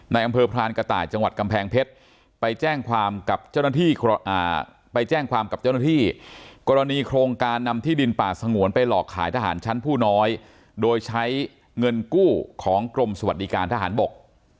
อำเภอพรานกระต่ายจังหวัดกำแพงเพชรไปแจ้งความกับเจ้าหน้าที่ไปแจ้งความกับเจ้าหน้าที่กรณีโครงการนำที่ดินป่าสงวนไปหลอกขายทหารชั้นผู้น้อยโดยใช้เงินกู้ของกรมสวัสดิการทหารบก